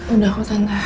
udah kok tante